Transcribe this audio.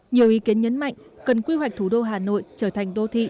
nhiều ý kiến nhấn mạnh cần quy hoạch thủ đô hà nội